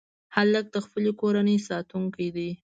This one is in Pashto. هلک د خپلې کورنۍ ساتونکی دی.